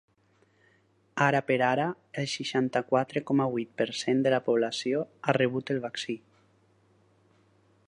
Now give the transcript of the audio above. Ara per ara, el seixanta-quatre coma vuit per cent de la població ha rebut el vaccí.